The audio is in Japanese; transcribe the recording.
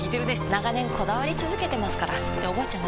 長年こだわり続けてますからっておばあちゃん